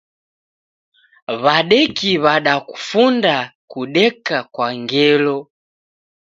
W'adeki w'adakufunda kudeka kwa ngelo.